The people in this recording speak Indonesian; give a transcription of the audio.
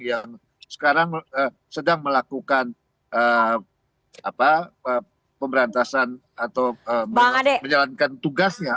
yang sekarang sedang melakukan pemberantasan atau menjalankan tugasnya